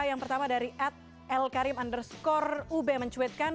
yang pertama dari ad elkarim underscore ub mencuitkan